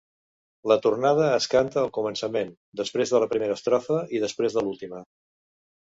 La tornada es canta al començament, després de la primera estrofa i després de l'última.